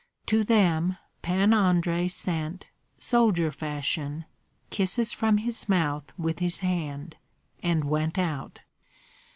To them Pan Andrei sent, soldier fashion, kisses from his mouth with his hand, and went out.